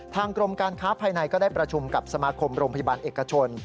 กรมการค้าภายในก็ได้ประชุมกับสมาคมโรงพยาบาลเอกชน